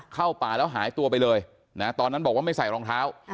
เข้าป่าแล้วหายตัวไปเลยนะตอนนั้นบอกว่าไม่ใส่รองเท้า